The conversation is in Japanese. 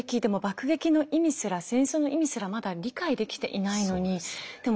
爆撃の意味すら戦争の意味すらまだ理解できていないのにで